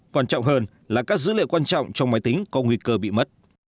quan trọng hơn là các dữ liệu quan trọng trong máy tính có nguy cơ bị mất